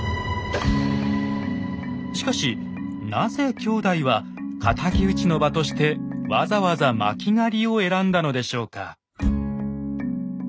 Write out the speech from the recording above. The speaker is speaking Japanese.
しかしなぜ兄弟は敵討ちの場としてわざわざ巻狩を選んだのでしょうか？